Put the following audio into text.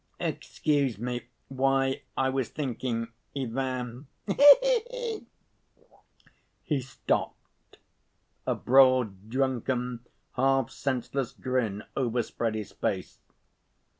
Excuse me, why, I was thinking, Ivan.... He he he!" He stopped. A broad, drunken, half‐senseless grin overspread his face.